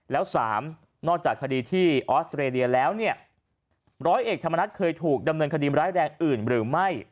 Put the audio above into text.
แล้วสามนอกจากคดีที่ออสเตรเลียแล้วเนี่ยร้อยเอกธรรมนัฐเคยถูกดำเนินคดีร้ายแรงอื่นหรือไม่